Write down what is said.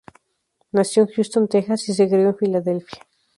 Nació en Houston, Texas, y se crio en Filadelfia.